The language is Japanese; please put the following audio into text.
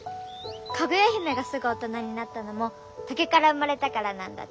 かぐやひめがすぐ大人になったのも竹から生まれたからなんだって。